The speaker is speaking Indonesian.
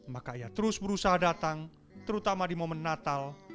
maka ia terus berusaha datang terutama di momen natal